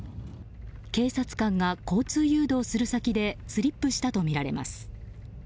警察官が交通誘導する先でスリップしたとみられます。